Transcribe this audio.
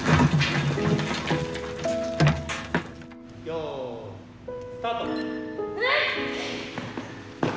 ・よいスタート。